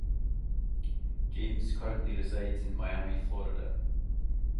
James currently resides in Miami, Florida.